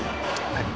はい。